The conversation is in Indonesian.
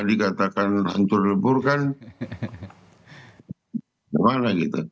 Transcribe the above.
dikatakan hancur lebur kan gimana gitu